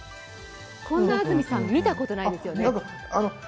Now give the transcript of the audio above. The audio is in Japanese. こんな安住さん見たことないですよね。